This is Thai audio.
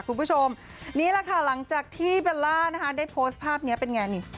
คุณผู้ชมนี่แหละค่ะหลังจากที่เบลล่านะคะได้โพสต์ภาพนี้เป็นไงนี่